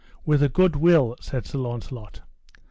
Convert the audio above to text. With a good will, said Sir Launcelot.